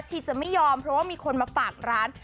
จะไม่ยอมเพราะว่ามีคนมาฝากร้าน